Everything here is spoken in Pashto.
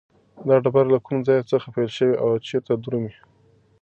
دا ډبره له کوم ځای څخه پیل شوې او چیرته درومي؟